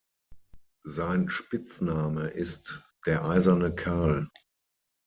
Sein Spitzname ist „Der Eiserne Karl“.